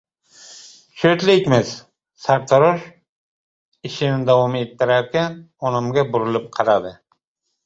— Sho‘tlikmiz, — sartarosh ishini davom ettirarkan, onamga burilib qaradi.